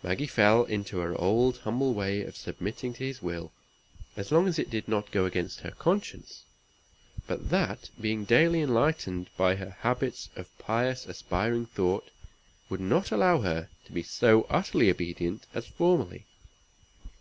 Maggie fell into her old humble way of submitting to his will, as long as it did not go against her conscience; but that, being daily enlightened by her habits of pious aspiring thought, would not allow her to be so utterly obedient as formerly.